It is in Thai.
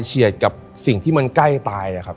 เฉียดกับสิ่งที่มันใกล้ตายครับ